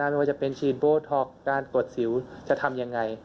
ไม่ว่าจะเป็นฉีดโบท็อกการกดสิวจะทำยังไง